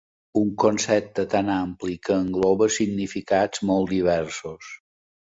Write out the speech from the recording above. Un concepte tan ampli que engloba significats molt diversos.